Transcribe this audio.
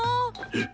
えっ⁉